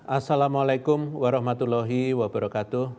assalamualaikum warahmatullahi wabarakatuh